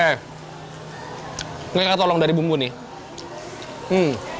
ini katolong dari bumbu nih